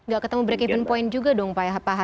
nggak ketemu break even point juga dong pak ya